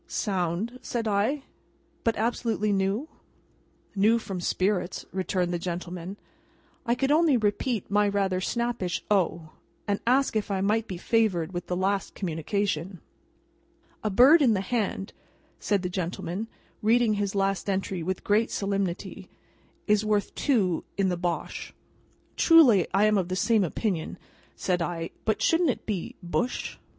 '" "Sound," said I; "but, absolutely new?" "New from spirits," returned the gentleman. I could only repeat my rather snappish "O!" and ask if I might be favoured with the last communication. "'A bird in the hand,'" said the gentleman, reading his last entry with great solemnity, "'is worth two in the Bosh.'" "Truly I am of the same opinion," said I; "but shouldn't it be Bush?"